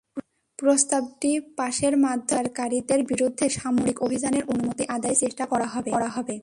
প্রস্তাবটি পাসের মাধ্যমে পাচারকারীদের বিরুদ্ধে সামরিক অভিযানের অনুমতি আদায়ের চেষ্টা করা হবে।